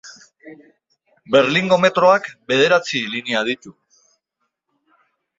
Berlingo metroak bederatzi linea ditu.